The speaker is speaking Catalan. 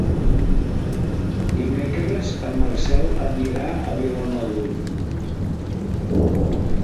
Dimecres en Marcel anirà a Vilamalur.